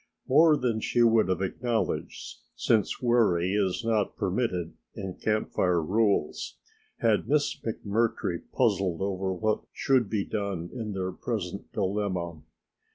More than she would have acknowledged, since worry is not permitted in Camp Fire rules, had Miss McMurtry puzzled over what should be done in their present dilemma.